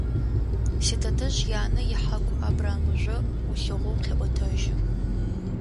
Ситэтэжъ янэ ихьаку абрамыжъо ӏулъыгъэу къеӏотэжьы.